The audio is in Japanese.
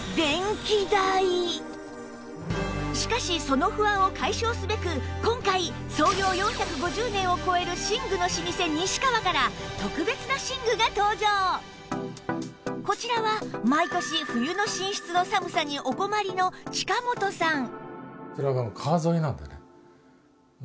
しかしその不安を解消すべく今回創業４５０年を超える寝具の老舗こちらは毎年冬の寝室の寒さにお困りの近本さん